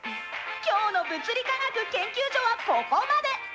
「今日の『物理科学研究所』はここまで。